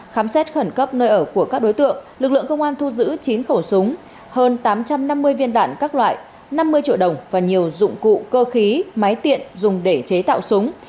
khám xét khẩn cấp nơi ở của các đối tượng lực lượng công an thu giữ chín khẩu súng hơn tám trăm năm mươi viên đạn các loại năm mươi triệu đồng và nhiều dụng cụ cơ khí máy tiện dùng để chế tạo súng